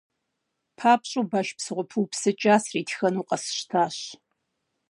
ПапщӀэу баш псыгъуэ пыупсыкӀа сритхэну къэсщтащ.